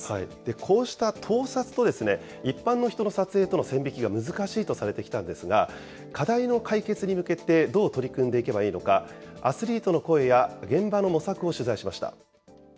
こうした盗撮と、一般の人の撮影との線引きが難しいとされてきたんですが、課題の解決に向けてどう取り組んでいけばいいのか、アスリートの声や現場の模索を取材しました。